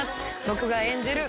僕が演じる